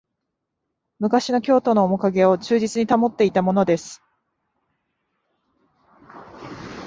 昔の京都のおもかげを忠実に保っていたものです